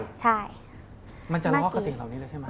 มันจะล้อสกับสิ่งเหล่านี้เลยใช่ไหม